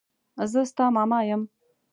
زه ستا ماما يم.